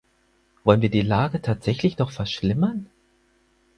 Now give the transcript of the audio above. Wollen wir die Lage tatsächlich noch verschlimmern?